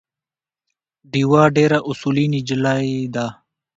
ډیوه ډېره اصولي نجلی ده